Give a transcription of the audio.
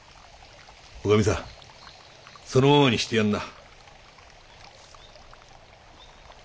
女将さんそのままにしてやんな。